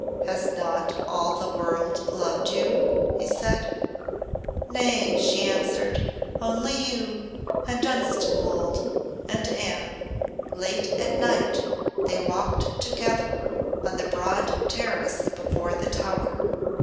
"Has not all the world loved you?" he said. "Nay," she answered, "only you, and Dunstanwolde and Anne." Late at night they walked together on the broad terrace before the Tower.